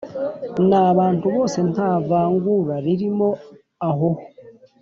ni abantu bose nta vangura ririmo ahoho